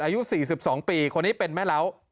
อายุ๔๒ปีคนนี้เป็นแม่เล้า